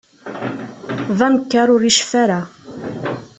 D anekkar ur iceffu ara.